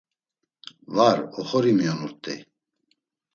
Var, oxori miyonurt̆ey…